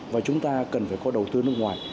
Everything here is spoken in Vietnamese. và chúng ta cần phải có đầu tư nước ngoài